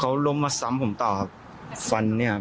เขาล้มมาซ้ำผมต่อครับฟันเนี่ย